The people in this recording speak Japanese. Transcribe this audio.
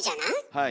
はい。